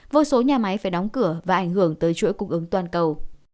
vô số nhà máy phải đóng cửa và ảnh hưởng tới chuỗi cung ứng toàn cầu